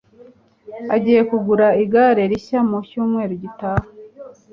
agiye kugura igare rishya mu cyumweru gitaha